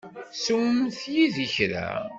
Swemt yid-i kra.